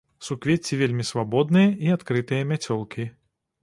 Суквецці вельмі свабодныя і адкрытыя мяцёлкі.